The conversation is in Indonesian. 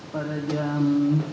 pada jam tujuh belas